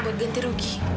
buat ganti rugi